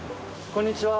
こんにちは